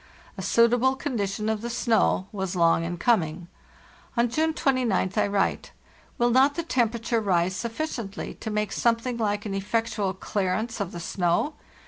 A suitable condition of the snow was long in coming. On June 209th J write: "Will not the temperature rise sufficiently to make something hke an effectual clearance of the snow?